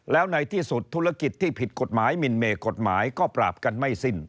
แล้วในที่สุดธุรกิจที่ผิดกฎหมายมินเมกฎหมายก็ปราบกันไม่สิ้น